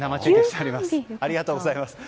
ありがとうございます。